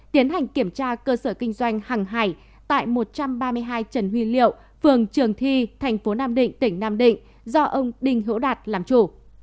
tiến hành kiểm tra cơ sở kinh doanh hàng hải tại một trăm ba mươi hai trần huy liệu phường trường thi thành phố nam định tỉnh nam định do ông đinh hữu đạt làm chủ